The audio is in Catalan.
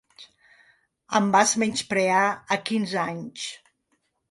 Em vas menysprear a quinze anys.